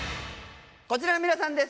こちらの皆さんです